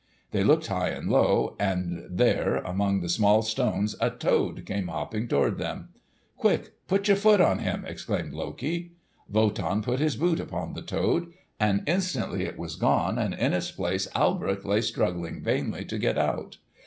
They looked high and low, and there among the small stones a toad came hopping toward them. "Quick, put your foot on him!" exclaimed Loki. Wotan put his foot upon the toad, and instantly it was gone, and in its place Alberich lay struggling vainly to get out.